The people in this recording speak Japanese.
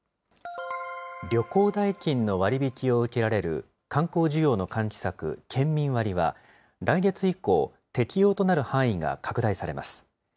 旅行代金の割引を受けられる観光需要の喚起策、県民割は、来月以降、適用となる範囲が拡大されます。